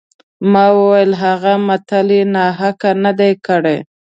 ما وویل هغه متل یې ناحقه نه دی کړی.